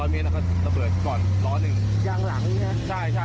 เมตรแล้วก็เราจะระเบิดก่อนร้อนึงอ่ะด้านหลังเนี่ยใช่ใช่อย่าง